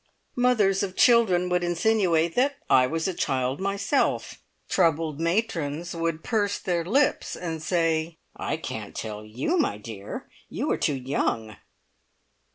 Mothers of children would insinuate that I was a child myself; troubled matrons would purse their lips, and say, "I can't tell you, my dear. You are too young."